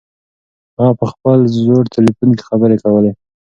هغه په خپل زوړ تلیفون کې خبرې کولې.